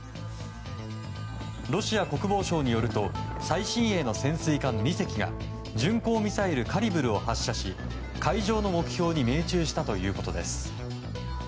ロシア国防省によると最新鋭の潜水艦２隻が巡航ミサイルカリブルを発射し海上の目標に命中したということです。